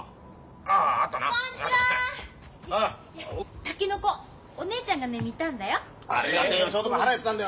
竹の子お姉ちゃんがね煮たんだよ。